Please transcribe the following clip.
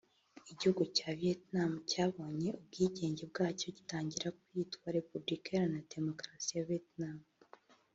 Igihugu cya Vietnam cyabonye ubwigenge bwacyo gitangira kwitwa Repubulika iharanira Demokarasi ya Vietnam